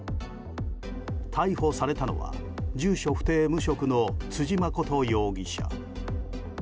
逮捕されたのは住所不定・無職の辻誠容疑者。